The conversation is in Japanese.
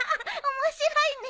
面白いね。